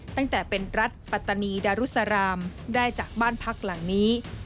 ตั้งแต่เป็นรัฐปัตตานีดารุสรามได้จากบ้านพักหลังนี้